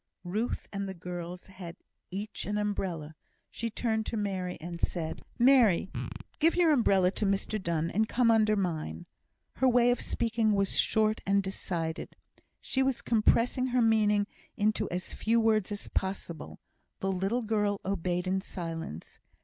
_" Ruth and the girls had each an umbrella. She turned to Mary, and said, "Mary, give your umbrella to Mr Donne, and come under mine." Her way of speaking was short and decided; she was compressing her meaning into as few words as possible. The little girl obeyed in silence.